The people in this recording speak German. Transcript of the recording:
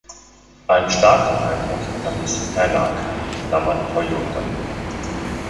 Einen starken Eindruck hinterließ Tänak (Toyota).